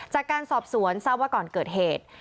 จากการสอบสวนทราบว่าก่อนเกิดเหตุ